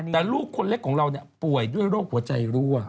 แต่ลูกคนเล็กของเราป่วยด้วยโรคหัวใจรั่ว